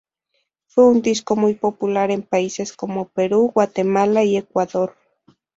Fue un disco muy popular en países como Perú, Guatemala y Ecuador.